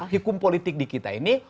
hukum politik di kita ini